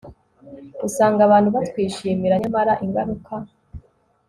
usanga abantu batwishimira nyamara ingaruka